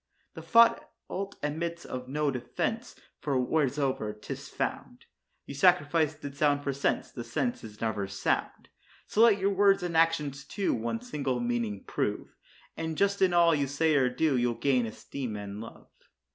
The fault admits of no defence, for wheresoe'er 'tis found, You sacrifice the sound for sense; the sense is never sound. So let your words and actions, too, one single meaning prove, And just in all you say or do, you'll gain esteem and love.